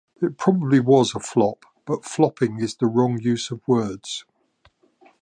It probably was a flop, but flopping is the wrong use of words.